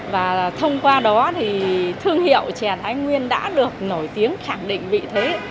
và thông qua đó thì thương hiệu chè thái nguyên đã được nổi tiếng khẳng định vị thế